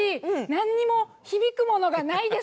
なんにも響くものがないです。